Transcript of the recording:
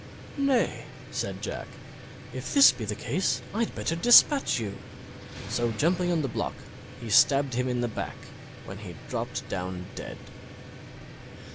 "Nay," said Jack, "if this be the case I'd better dispatch you!" So jumping upon the block, he stabbed him in the back, when he dropped down dead.